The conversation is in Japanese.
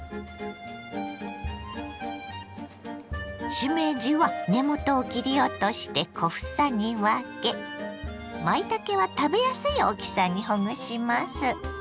しめじは根元を切り落として小房に分けまいたけは食べやすい大きさにほぐします。